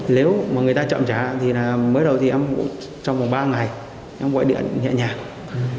nếu mà người ta chọn trả thì là mới đầu thì em cũng trong vòng ba ngày em quậy điện nhẹ nhàng